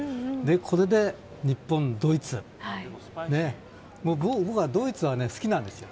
これで日本、ドイツ僕はドイツは好きなんです。